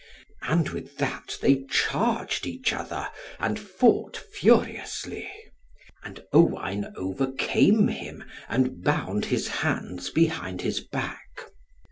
And with that they charged each other, and fought furiously. And Owain overcame him, and bound his hands behind his back.